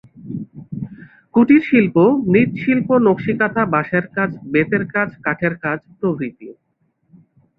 কুটিরশিল্প মৃৎশিল্প, নকশি কাঁথা, বাঁশের কাজ, বেতের কাজ, কাঠের কাজ প্রভৃতি।